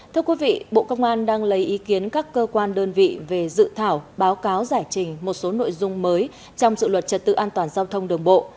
thưa quý vị bộ công an đang lấy ý kiến các cơ quan đơn vị về dự thảo báo cáo giải trình một số nội dung mới trong dự luật trật tự an toàn giao thông đường bộ